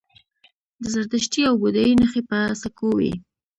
د زردشتي او بودايي نښې په سکو وې